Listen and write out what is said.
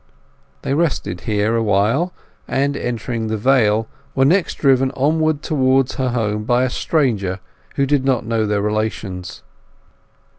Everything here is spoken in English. They rested here a while, and entering the Vale were next driven onward towards her home by a stranger who did not know their relations.